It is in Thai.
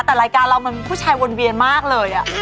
แต่รายการเรามันผู้ชายวนเวียนมากเลย